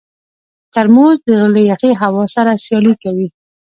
ترموز د غره له یخې هوا سره سیالي کوي.